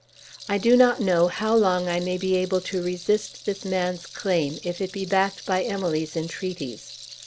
I do not know how long I may be able to resist this man's claim if it be backed by Emily's entreaties.